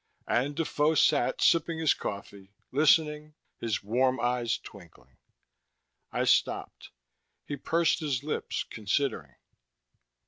And Defoe sat sipping his coffee, listening, his warm eyes twinkling. I stopped. He pursed his lips, considering.